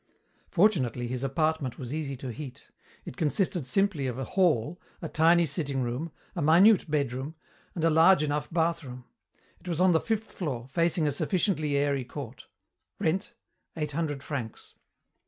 Fortunately his apartment was easy to heat. It consisted simply of a hall, a tiny sitting room, a minute bedroom, and a large enough bathroom. It was on the fifth floor, facing a sufficiently airy court. Rent, eight hundred francs.